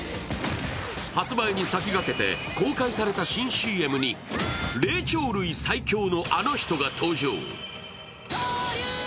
発売に先駆けて公開された新ＣＭに霊長類最強のあの人が登場。